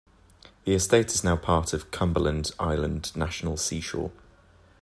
The estate is now part of Cumberland Island National Seashore.